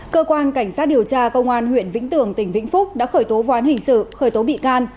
cơ quan cảnh sát điều tra công an huyện vĩnh tường tỉnh vĩnh phúc đã khởi tố ván hình sự khởi tố bị can